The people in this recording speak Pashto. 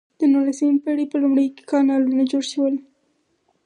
د نولسمې پیړۍ په لومړیو کې کانالونه جوړ شول.